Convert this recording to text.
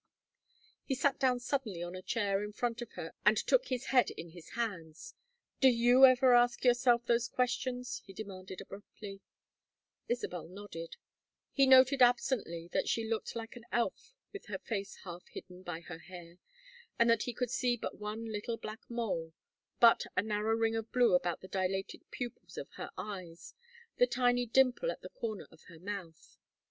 '" He sat down suddenly on a chair in front of her and took his head in his hands. "Do you ever ask yourself those questions?" he demanded, abruptly. Isabel nodded. He noted absently that she looked like an elf with her face half hidden by her hair, and that he could see but one little black mole, but a narrow ring of blue about the dilated pupils of her eyes, the tiny dimple at the corner of her mouth.